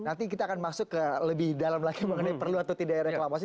nanti kita akan masuk ke lebih dalam lagi mengenai perlu atau tidak reklamasi